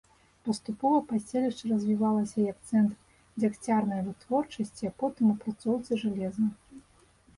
Паступова паселішча развівалася як цэнтр дзягцярнай вытворчасці, а потым апрацоўцы жалеза.